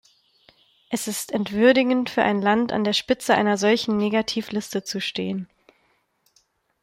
Es ist entwürdigend für ein Land, an der Spitze einer solchen Negativliste zu stehen.